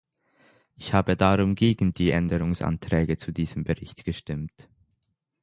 Ich habe darum gegen die Änderungsanträge zu diesem Bericht gestimmt.